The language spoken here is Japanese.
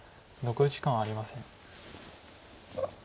残り時間はありません。